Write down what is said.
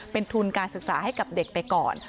เป็นทุนการศึกษาให้กับเด็กไปก่อน